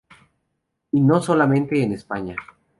Y no solamente en España.